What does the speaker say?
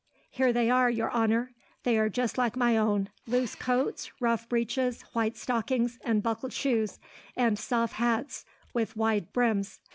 "Here they are, your honour. They are just like my own. Loose coats, rough breeches, white stockings and buckled shoes, and soft hats with wide brims.